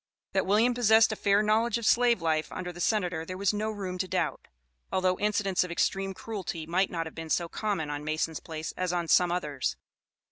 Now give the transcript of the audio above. That William possessed a fair knowledge of slave life under the Senator there was no room to doubt, although incidents of extreme cruelty might not have been so common on Mason's place as on some others.